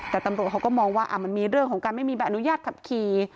แต่ตำรวจเขาก็มองว่ามันมีเรื่องของการไม่มีใบอนุญาตขับขี่